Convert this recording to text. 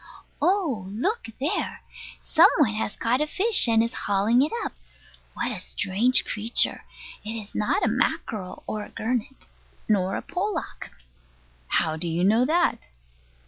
Oh, look there! some one has caught a fish, and is hauling it up. What a strange creature! It is not a mackerel, nor a gurnet, nor a pollock. How do you know that?